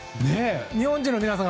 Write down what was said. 日本人の皆さん